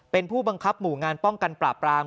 เป็นผู้บังคับหมู่งานป้องกันปราบราม